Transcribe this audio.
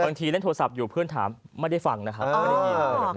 เล่นโทรศัพท์อยู่เพื่อนถามไม่ได้ฟังนะครับไม่ได้ยิน